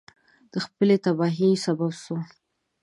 د خپلې تباهی سبب سوه.